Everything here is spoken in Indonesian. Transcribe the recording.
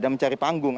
dan mencari panggung